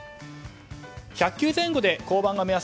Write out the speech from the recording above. １００球前後で降板が目安。